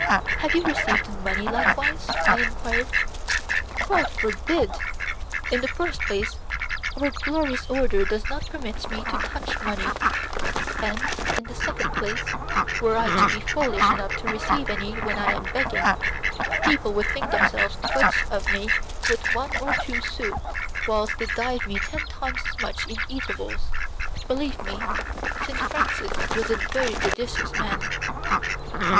"Have you received money likewise?" I enquired. "God forbid! In the first place, our glorious order does not permit me to touch money, and, in the second place, were I to be foolish enough to receive any when I am begging, people would think themselves quit of me with one or two sous, whilst they give me ten times as much in eatables. Believe me Saint Francis, was a very judicious man."